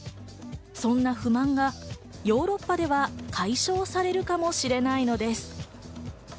そんな不満がヨーロッパでは解消されるかもしれないのです。